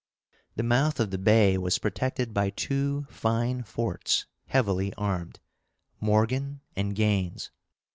The mouth of the bay was protected by two fine forts, heavily armed, Morgan and Gaines.